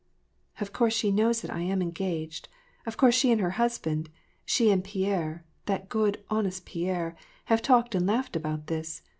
*" Of course she knows that I am engaged ; of course she and her husband, she and Pierre, that good, honest Pierre, have talked and laughed about this.